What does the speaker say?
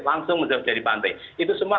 langsung mencapai bantai itu semua